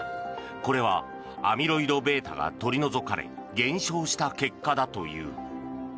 これはアミロイドβが取り除かれ減少した結果だという。